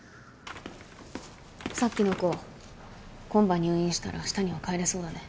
さっきの子今晩入院したらあしたには帰れそうだね。